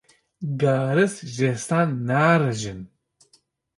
Garis ji destan narijin.